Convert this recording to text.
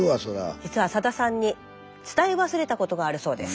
実はさださんに伝え忘れたことがあるそうです。